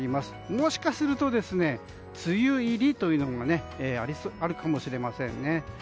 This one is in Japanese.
もしかすると梅雨入りというのもあるかもしれませんね。